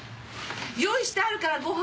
用意してあるからご飯。